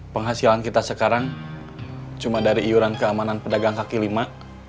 penghasilan kita sekarang cuma dari iuran keamanan pedagang kaki lima